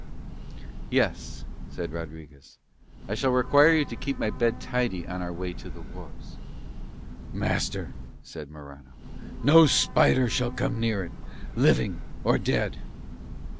"Yes," said Rodriguez, "I shall require you to keep my bed tidy on our way to the wars." "Master," said Morano, "no spider shall come near it, living or dead."